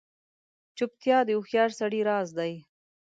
چوپتیا، د هوښیار سړي راز دی.